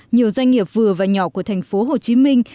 nhiều doanh nghiệp vừa và nhỏ của thành phố hồ chí minh